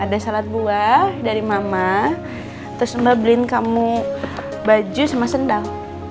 ada salad buah dari mama terus mbak beliin kamu baju sama sendang